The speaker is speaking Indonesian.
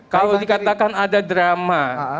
kalau dikatakan ada drama